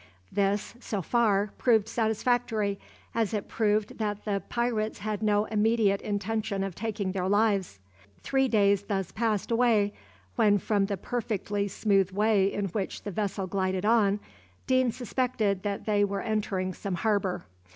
This, so far, proved satisfactory, as it proved that the pirates had no immediate intention of taking their lives. Three days thus passed away, when from the perfectly smooth way in which the vessel glided on, Deane suspected that they were entering some harbour.